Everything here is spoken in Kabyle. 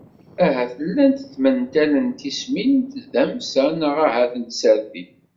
Ahat llant tmental n tismin n tdamsa neɣ ahat n tsertit.